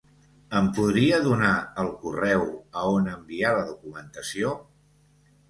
Em podria donar el correu a on enviar la documentació?